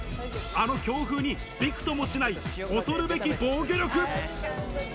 あの強風にビクともしない恐るべき防御力。